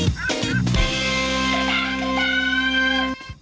โอเค